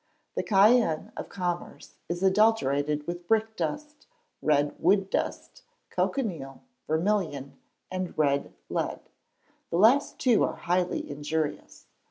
The cayenne of commerce is adulterated with brickdust, red wood dust, cochineal, vermilion, and red lead. The last two are highly injurious.